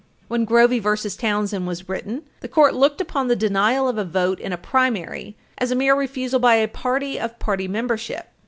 When Grovey v. Townsend was written, the Court looked upon the denial of a vote in a primary as a Page 321 U. S. 661 mere refusal by a party of party membership.